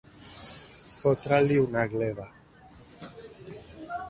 Fotre-li una gleva.